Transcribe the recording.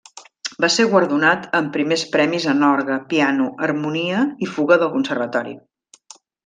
Va ser guardonat amb primers premis en orgue, piano, harmonia i fuga del conservatori.